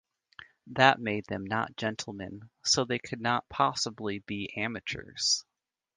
That made them not gentlemen so they could not possibly be amateurs.